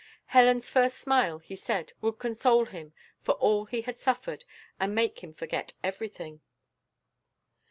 Helen's first smile, he said, would console him for all he had suffered, and make him forget everything.